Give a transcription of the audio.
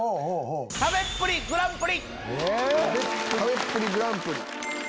「食べっぷりグランプリ」。